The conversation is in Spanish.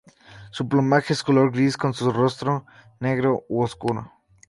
Su plumaje es color gris con su rostro negro u oscuro.